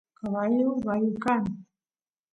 caballu bayu kan